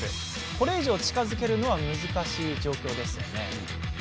これ以上近づけるのは難しい状況ですよね。